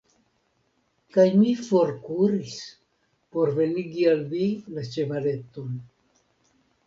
kaj mi forkuris, por venigi al vi la ĉevaleton.